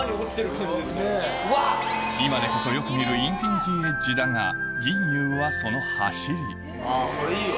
今でこそよく見るインフィニティエッジだが吟遊はそのはしりこれいいわ。